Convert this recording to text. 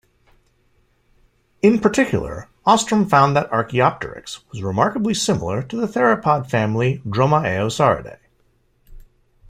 In particular, Ostrom found that "Archaeopteryx" was remarkably similar to the theropod family Dromaeosauridae.